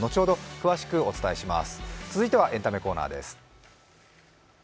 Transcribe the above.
詳しくお伝えします。